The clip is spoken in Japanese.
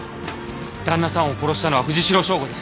旦那さんを殺したのは藤代省吾です。